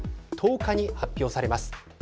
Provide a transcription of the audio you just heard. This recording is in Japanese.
１０日に発表されます。